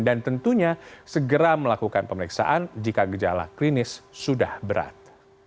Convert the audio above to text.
dan tentunya segera melakukan pemeriksaan jika gejala klinis sudah berat